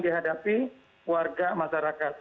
dihadapi warga masyarakat